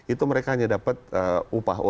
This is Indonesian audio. itu mereka hanya dapat upah omr dan upah komisi